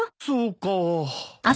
そうか。